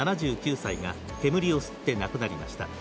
７９歳が煙を吸って亡くなりました。